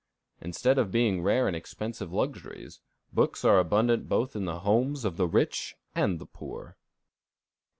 Instead of being rare and expensive luxuries, books are abundant both in the homes of the rich and the poor.